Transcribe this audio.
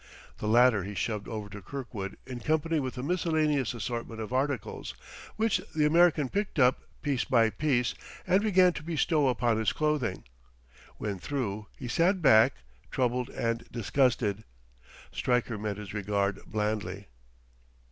The latter he shoved over to Kirkwood in company with a miscellaneous assortment of articles, which the American picked up piece by piece and began to bestow about his clothing. When through, he sat back, troubled and disgusted. Stryker met his regard blandly.